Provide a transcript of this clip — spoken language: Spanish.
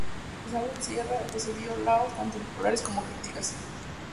A pesar del cierre, recibió loas tanto populares como críticas.